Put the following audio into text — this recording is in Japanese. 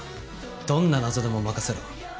どんな謎でも任せろ。